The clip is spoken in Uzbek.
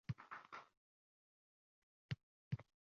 ustoz yordamida bir xafta davomida tayyorlab